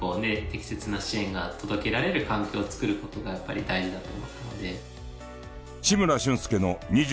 適切な支援が届けられる環境をつくる事がやっぱり大事だと思ったので。